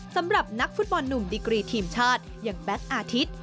สำหรับนักฟุตบอลหนุ่มดิกรีทีมชาติอย่างแบทอาทิตย์